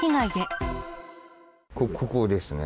ここですね。